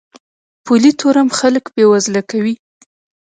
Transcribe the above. پولي تورم خلک بې وزله کوي.